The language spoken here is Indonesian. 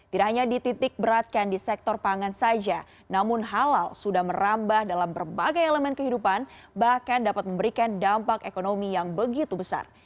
tidak hanya dititik beratkan di sektor pangan saja namun halal sudah merambah dalam berbagai elemen kehidupan bahkan dapat memberikan dampak ekonomi yang begitu besar